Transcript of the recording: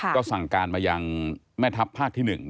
ก็สั่งการมายังแม่ทัพภาคที่๑